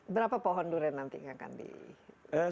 berapa pohon durian nanti yang akan di padang